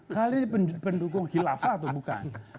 saya ini pendukung khilafah atau bukan